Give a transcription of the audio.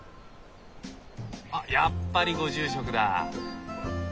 あっやっぱりご住職だ。